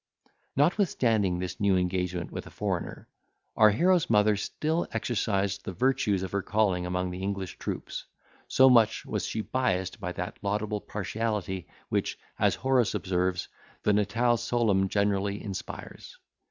Notwithstanding this new engagement with a foreigner, our hero's mother still exercised the virtues of her calling among the English troops, so much was she biassed by that laudable partiality, which, as Horace observes, the natale solum generally inspires.